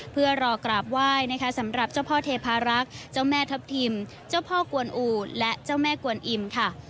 เพื่อรอกราบไหว้นะคะสำหรับเจ้าพ่อเทพารักษ์เจ้าแม่ทัพทิมเจ้าพ่อกวนอูและเจ้าแม่กวนอิ่มค่ะ